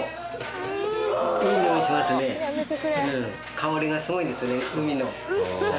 香りがすごいですねウニの。